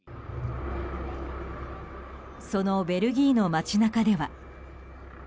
そのベルギーの街中では。